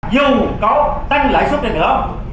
dù có tăng lãi suất này nữa